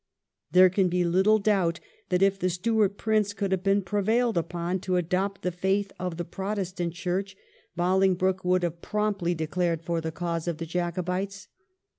There can be little doubt that if the Stuart Prince could have been prevailed upon to adopt the faith of the Protestant Church, Bolingbroke 1714 A LETTER TO JAMES. 339 would have promptly declared for the cause of the Jacobites.